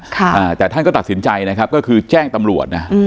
แต่ท่านก็ตัดสินใจนะครับก็คือแจ้งตำรวจนะ